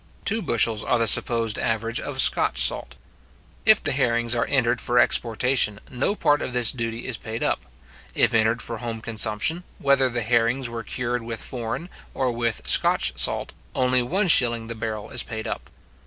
Two bushels are the supposed average of Scotch salt. If the herrings are entered for exportation, no part of this duty is paid up; if entered for home consumption, whether the herrings were cured with foreign or with Scotch salt, only one shilling the barrel is paid up.